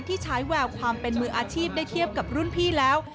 ที่ใช้แววความเป็นมืออาชีพได้เทียบกับรุ่นพี่แล้ว